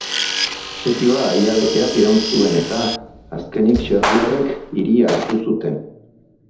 Setioa hilabeteak iraun zuen eta, azkenik serbiarrek hiria hartu zuten.